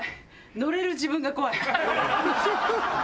ノれる自分が怖い。